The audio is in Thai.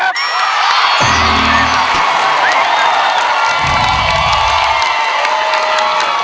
ร้องได้ให้ร้าง